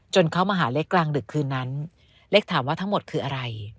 เขามาหาเล็กกลางดึกคืนนั้นเล็กถามว่าทั้งหมดคืออะไร